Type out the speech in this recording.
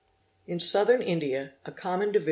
In Southern India a common — co...